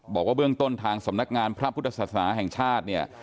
บอกว่าเบื้องต้นทางสำนักงานพระพุทธศาสนาแห่งชาติเนี่ย